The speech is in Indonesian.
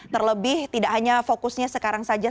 terlebih tidak hanya fokusnya sekarang saja